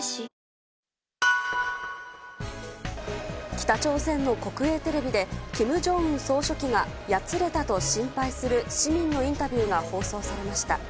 北朝鮮の国営テレビで金正恩総書記がやつれたと心配する市民のインタビューが放送されました。